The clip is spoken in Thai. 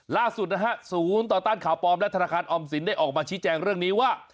ล่าสุดนะฮะศูนย์ต่อต้านข่าวปลอมและธนาคารออมสินได้ออกมาชี้แจงเรื่องนี้ว่า